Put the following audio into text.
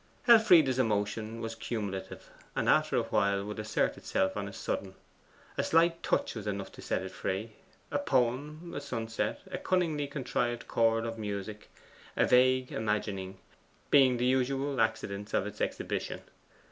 Elfride's emotion was cumulative, and after a while would assert itself on a sudden. A slight touch was enough to set it free a poem, a sunset, a cunningly contrived chord of music, a vague imagining, being the usual accidents of its exhibition.